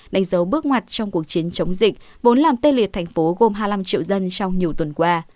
đánh dấu bước ngoặt trong cuộc chiến chống dịch vốn làm tê liệt thành phố gồm hai mươi năm triệu dân trong nhiều tuần qua